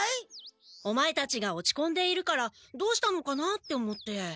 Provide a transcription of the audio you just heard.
オマエたちが落ちこんでいるからどうしたのかなって思って。